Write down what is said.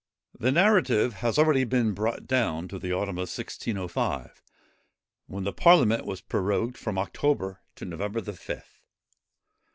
The narrative has already been brought down to the autumn of 1605, when the parliament was prorogued from October to November the 5th.